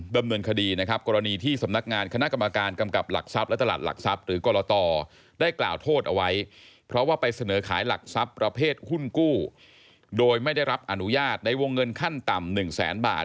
โดยไม่ได้รับอนุญาตในวงเงินขั้นต่ำ๑แสนบาท